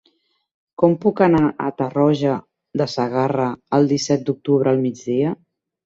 Com puc anar a Tarroja de Segarra el disset d'octubre al migdia?